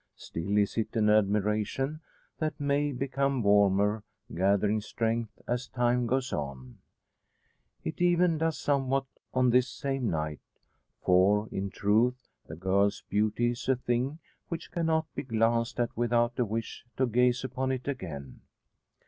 Still is it an admiration that may become warmer, gathering strength as time goes on. It even does somewhat on this same night; for, in truth the girl's beauty is a thing which cannot be glanced at without a wish to gaze upon it again.